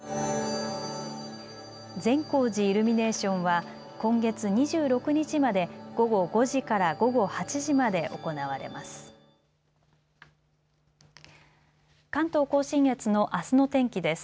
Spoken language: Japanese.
善光寺イルミネーションは今月２６日まで午後５時から午後８時まで行われます。